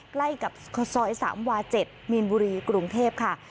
ใกล้กับซอยทรัพย์สามวาเจ็ดมีนบุรีกรุงเทพค่ะ